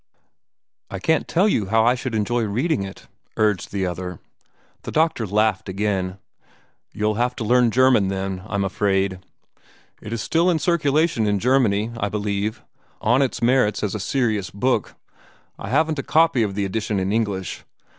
"I can't tell you how I should enjoy reading it," urged the other. The doctor laughed again. "You'll have to learn German, then, I 'm afraid. It is still in circulation in Germany, I believe, on its merits as a serious book. I haven't a copy of the edition in English.